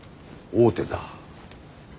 大手だ。